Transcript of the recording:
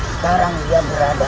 sekarang dia berada